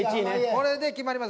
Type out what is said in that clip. これで決まります。